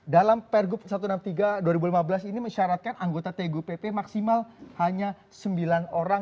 dalam pergub satu ratus enam puluh tiga dua ribu lima belas ini mensyaratkan anggota tgupp maksimal hanya sembilan orang